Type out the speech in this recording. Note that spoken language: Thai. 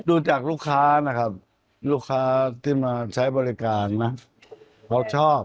ดูจากลูกค้านะครับลูกค้าที่มาใช้บริการนะเขาชอบ